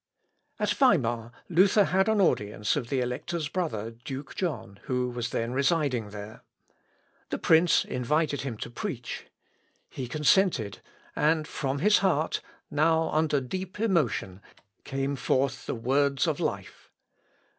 At Weimar, Luther had an audience of the Elector's brother, Duke John, who was then residing there. The prince invited him to preach. He consented, and from his heart, now under deep emotion, came forth the words of life.